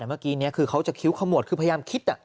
เมื่อกี้นี้คือเขาจะคิ้วขมวดคือพยายามคิด